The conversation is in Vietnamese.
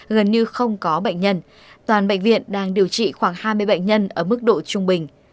gần như không có bệnh nhân toàn bệnh viện đang điều trị khoảng hai mươi bệnh nhân ở mức độ trung bình